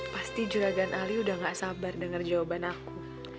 pasti juragan ali udah gak sabar dengar jawaban aku